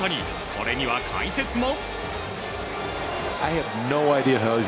これには解説も。